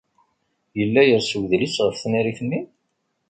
Yella yers wedlis ɣef tnarit-nni?